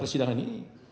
menjadi kurang lengkap